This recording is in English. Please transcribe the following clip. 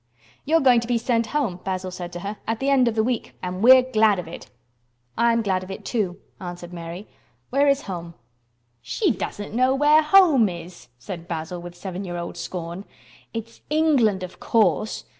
"You are going to be sent home," Basil said to her, "at the end of the week. And we're glad of it." "I am glad of it, too," answered Mary. "Where is home?" "She doesn't know where home is!" said Basil, with seven year old scorn. "It's England, of course.